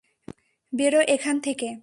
বেরো এখান থেকে!